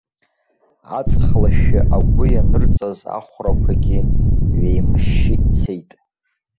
Аҵх лашәы агәы ианырҵаз ахәрақәагьы ҩеимашьшьы ицеит!